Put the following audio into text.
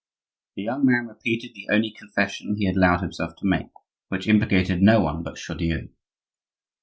The young man repeated the only confession he had allowed himself to make, which implicated no one but Chaudieu.